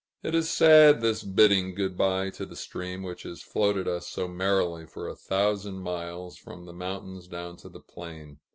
It is sad, this bidding good bye to the stream which has floated us so merrily for a thousand miles, from the mountains down to the plain.